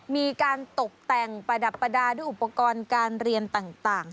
มีการตกแต่งประดับประดาษด้วยอุปกรณ์การเรียนต่าง